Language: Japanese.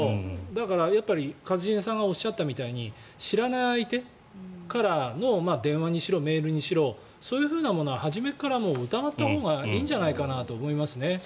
だから、一茂さんがおっしゃったみたいに知らない相手からの電話にしろメールにしろそういうものは初めから疑ったほうがいいんじゃないかなと思いますね。